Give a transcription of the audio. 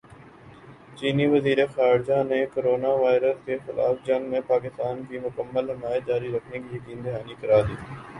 چینی وزیرخارجہ نے کورونا وائرس کےخلاف جنگ میں پاکستان کی مکمل حمایت جاری رکھنے کی یقین دہانی کرادی